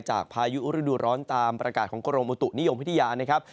จากพายุอุรดุร้อนตามประกาศของกรมอุตุนิยมพิทยา